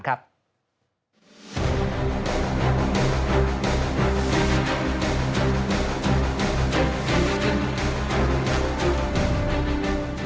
พ่อแลกบันดีค่ะ